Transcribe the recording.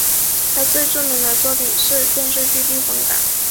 他最著名的作品是电视剧避风港。